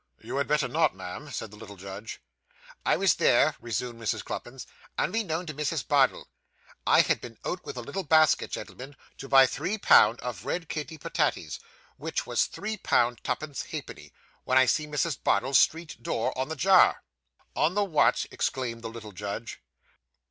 'You had better not, ma'am,' said the little judge. 'I was there,' resumed Mrs. Cluppins, 'unbeknown to Mrs. Bardell; I had been out with a little basket, gentlemen, to buy three pound of red kidney pertaties, which was three pound tuppence ha'penny, when I see Mrs. Bardell's street door on the jar.' 'On the what?' exclaimed the little judge.